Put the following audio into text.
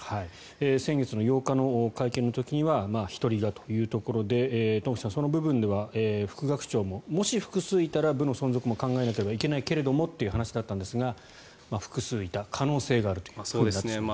先月の８日の会見の時には１人だというところで東輝さん、その部分では副学長ももし複数いたら部の存続も考えなければいけないけれどもという話だったんですが複数いた可能性があるということになってしまいました。